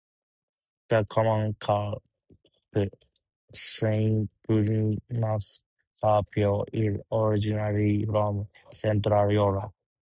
The common carp, "Cyprinus carpio", is originally from Central Europe.